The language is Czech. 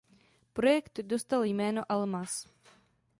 Projekt dostal jméno Almaz.